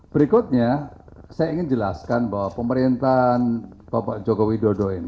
berikutnya saya ingin jelaskan bahwa pemerintahan bapak jokowi dodo